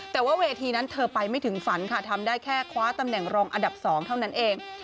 แต่ว่าเวทีนั้นเธอไปไม่ถึงฝันค่ะทำได้แค่คว้าตำแหน่งรองอันดับ๒เท่านั้นเอง